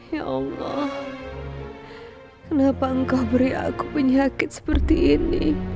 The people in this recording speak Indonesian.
ya allah kenapa engkau beri aku penyakit seperti ini